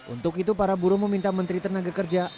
untuk itu para buruh meminta menteri tenaga kerja